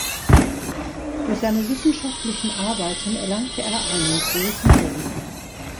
Durch seine wissenschaftlichen Arbeiten erlangte er einen großen Ruf.